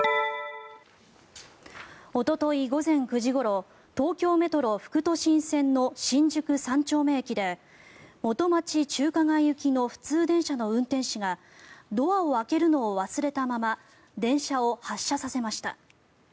おととい午前９時ごろ東京メトロ副都心線の新宿三丁目駅で元町・中華街行きの普通電車の運転士がドアを開けるのを忘れたまま電車を発車させました。